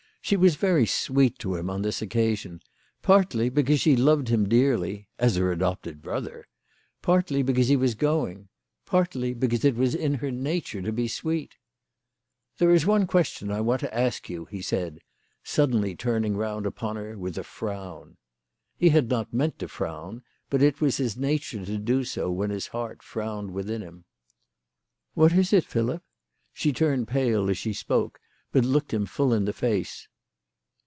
She was very sweet to him on this occasion, partly because she loved him dearly, as her adopted THE LADY OF LAUNAY. 119 brother ; partly because lie was going ; partly because it was her nature to be sweet !" There is one question I want to ask you," he said suddenly, turning round upon her with a frown. He had not meant to frown, but it was his nature to do so when his heart frowned within him. "What is it, Philip?" She turned pale as she spoke, but looked him full in the face.